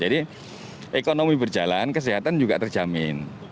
jadi ekonomi berjalan kesehatan juga terjamin